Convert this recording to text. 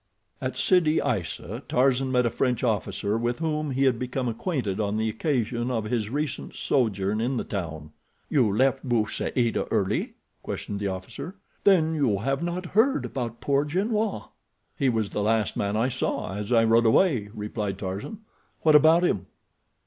At Sidi Aissa Tarzan met a French officer with whom he had become acquainted on the occasion of his recent sojourn in the town. "You left Bou Saada early?" questioned the officer. "Then you have not heard about poor Gernois." "He was the last man I saw as I rode away," replied Tarzan. "What about him?"